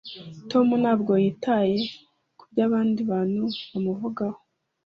tom ntabwo yitaye kubyo abandi bantu bamuvugaho